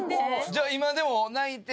じゃあ今でも泣いて。